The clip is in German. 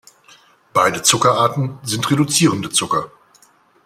Beide Zuckerarten sind reduzierende Zucker.